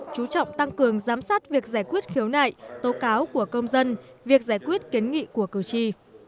chú trọng tăng cường giám sát việc giải quyết khiếu nại tố cáo của công dân việc giải quyết kiến nghị của cử tri